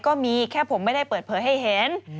ก็มีแค่ผมไม่ได้เปิดเผยให้เห็น